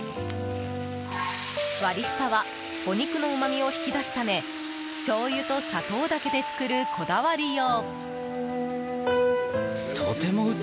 割り下はお肉のうまみを引き出すためしょうゆと砂糖だけで作るこだわりよう。